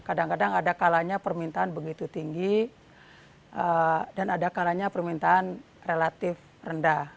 kadang kadang ada kalanya permintaan begitu tinggi dan ada kalanya permintaan relatif rendah